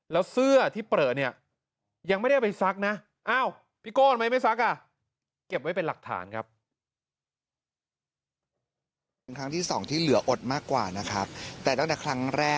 แล้วเสื้อที่เปลือเนี่ยยังไม่ได้เอาไปซักนะ